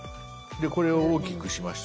これを大きくしました。